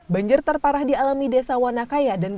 banjir terparah di alami desa wanah